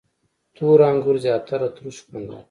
• تور انګور زیاتره تروش خوند لري.